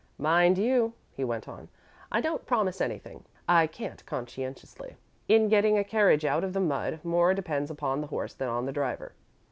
"Mind you," he went on, "I don't promise anything I can't, conscientiously. In getting a carriage out of the mud, more depends upon the horse than on the driver.